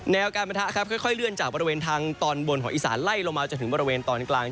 การประทะครับค่อยเลื่อนจากบริเวณทางตอนบนของอีสานไล่ลงมาจนถึงบริเวณตอนกลาง